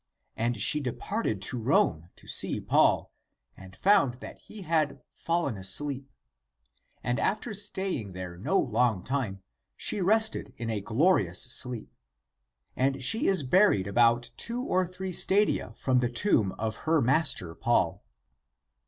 And she departed to Rome, to see Paul, and found that he had fallen asleep. And after staying there no long time, she rested in a glorious sleep ; and she is buried about two or three stadia from the tomb of her master Paul.